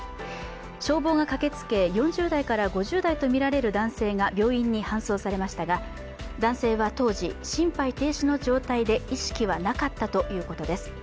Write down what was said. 消防が駆けつけ、４０代から５０代とみられる男性が病院に搬送されましたが男性は当時、心肺停止の状態で意識はなかったということです。